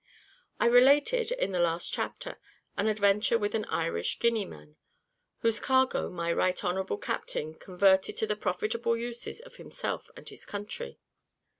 I related, in the last chapter, an adventure with an Irish Guineaman, whose cargo my right honourable captain converted to the profitable uses of himself and his country.